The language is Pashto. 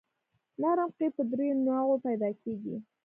نرم قیر په دریو نوعو پیدا کیږي